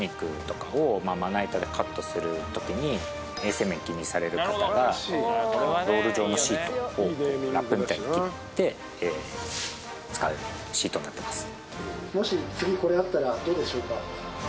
衛生面気にされる方がロール状のシートをラップみたいに切って使うシートになってます。